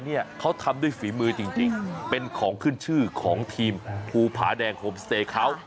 เนี่ยเขาทำด้วยฝีมือจริงเป็นของขึ้นชื่อของทีมภูผาแดงโฮมสเตย์เขา